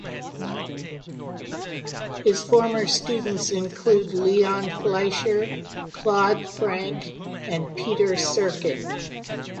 His former students include Leon Fleisher, Claude Frank, and Peter Serkin.